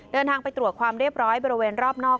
เดินทางไปตรวจความเรียบร้อยบริเวณรอบนอก